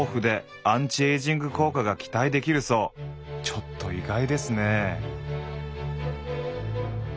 ちょっと意外ですね。